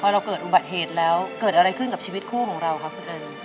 เราเกิดอุบัติเหตุแล้วเกิดอะไรขึ้นกับชีวิตคู่ของเราครับคุณอัน